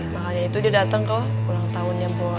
makanya itu dia dateng ke ulang tahunnya boy